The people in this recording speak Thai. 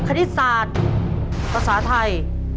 คณิตศาสตร์ภาษาไทย